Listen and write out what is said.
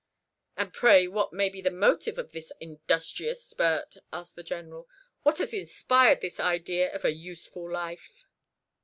"And, pray, what may be the motive of this industrious spurt?" asked the General. "What has inspired this idea of a useful life?"